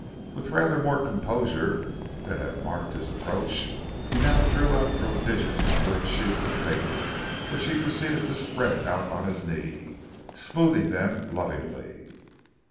With rather more composure than had marked his approach he now drew out a prodigious number of sheets of paper, which he proceeded to spread out on his knee, smoothing them lovingly.